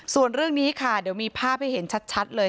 ส่วนเรื่องนี้ค่ะเดี๋ยวมีภาพให้เห็นชัดเลย